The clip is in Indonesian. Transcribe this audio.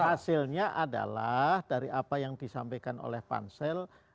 hasilnya adalah dari apa yang disampaikan oleh pansel